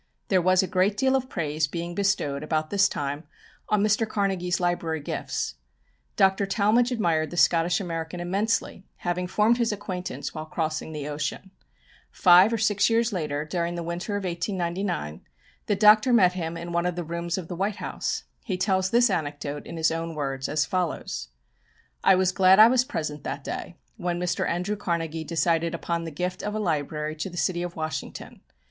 There was a great deal of praise being bestowed about this time on Mr. Carnegie's library gifts. Dr. Talmage admired the Scottish American immensely, having formed his acquaintance while crossing the ocean. Five or six years later, during the winter of 1899, the Doctor met him in one of the rooms of the White House. He tells this anecdote in his own words, as follows: "I was glad I was present that day, when Mr. Andrew Carnegie decided upon the gift of a library to the city of Washington.